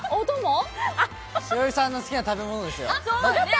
栞里さんの好きな食べ物ですよ。